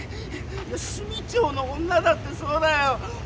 炭町の女だってそうだよ。